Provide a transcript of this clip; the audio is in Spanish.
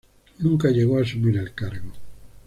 Nunca llegó a asumir el cargo.